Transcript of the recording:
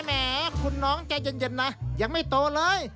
แหมคุณน้องใจเย็นนะยังไม่โตเลย